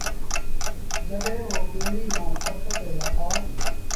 جڏهيݩٚ اوٚ ٻيڙيٚ مآݩٚ ڪپ تي لٿآ